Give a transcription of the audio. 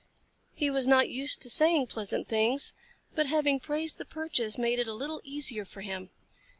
He was not used to saying pleasant things, but having praised the perches made it a little easier for him.